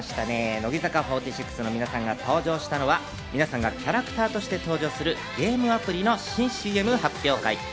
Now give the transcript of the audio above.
乃木坂４６の皆さんが登場したのは皆さんがキャラクターとして登場するゲームアプリの新ＣＭ発表会。